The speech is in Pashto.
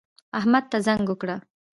احمد ته زنګ وکړه